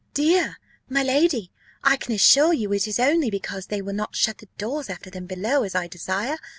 "Dear, my lady! I can assure you it is only because they will not shut the doors after them below, as I desire.